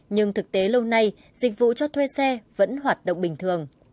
nhưng thực tế lâu nay dịch vụ cho thuê xe vẫn hoạt động bình thường